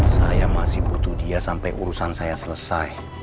saya masih butuh dia sampai urusan saya selesai